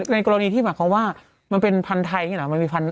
กรณีที่หมายความว่ามันเป็นพันธุ์ไทยอย่างนี้เหรอ